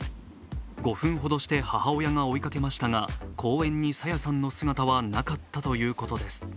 ５分ほどして母親が追いかけましたが公園に朝芽さんの姿はなかったということです。